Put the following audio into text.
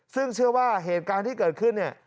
ซึ่งเชื่อว่าเหตุการณ์ที่เกิดขึ้นเนี่ย